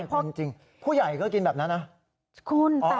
พ่อจริงผู้ใหญ่ก็กินแบบนั้นนะ